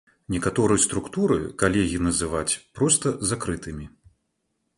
Некаторыя структуры калегі называць проста закрытымі.